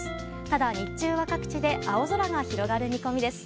ただ、日中は各地で青空が広がる見込みです。